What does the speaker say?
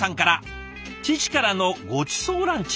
「父からのごちそうランチ」。